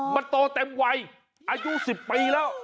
มันโตเต็มวัยอายุ๑๐ปีแล้ว